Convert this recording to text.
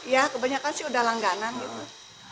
ya kebanyakan sih udah langganan gitu